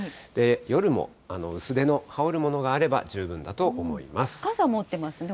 夜も薄手の羽織るものがあれば、十分だと思います。